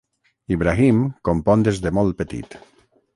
Ibrahim compon des de molt petit.